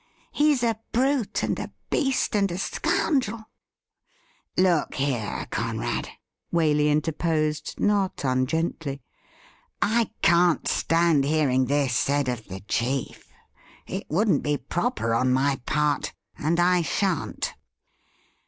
He's a brute and a beast and a scoundrel !'' Look here, Conrad,' Waley interposed, not ungently ; 'I can't stand hearing this said of the chief; it wouldn't be proper on my part, and I shan't.'